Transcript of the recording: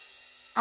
あ！